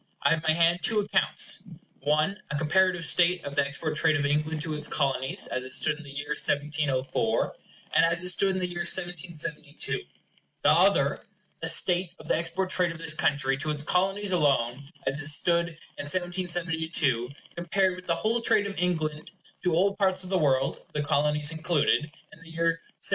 I have in my hand two accounts; one a comparative state of the export trade of England to its Colonies, as it stood in the year 1704, and as it stood in the year 1772; the other a state of the export trade of this country to its Colonies alone, as it stood in 1772, compared with the whole trade of England to all parts of the world (the Colonies included) in the year 1704.